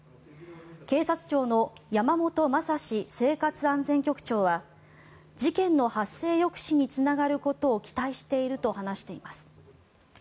警察庁の山本仁生活安全局長は事件の発生抑止につながることを期待していると話しています。